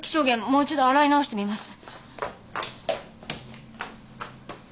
もう一度洗い直してみます。